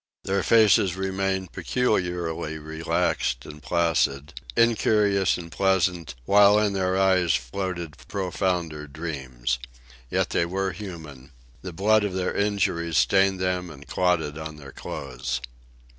Their faces remained peculiarly relaxed and placid, incurious and pleasant, while in their eyes floated profounder dreams. Yet they were human. The blood of their injuries stained them and clotted on their clothes.